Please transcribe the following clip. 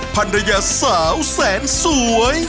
ภรรยาสาวแสนสวย